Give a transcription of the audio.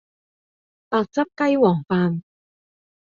白汁雞皇飯